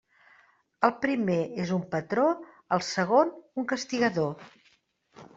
El primer és un patró, el segon un castigador.